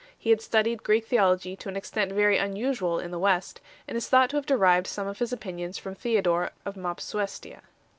He had studied Greek theology to an extent very unusual in the West, and is thought to have derived some of his opinions from Theo dore of Mopsuestia.